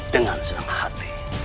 dengan senang hati